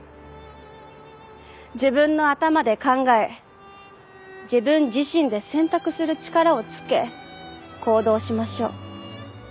自分の頭で考え自分自身で選択する力をつけ行動しましょう。